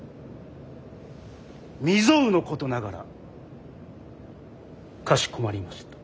未曽有のことながらかしこまりました。